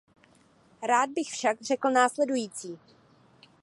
Rád bych však řekl následující.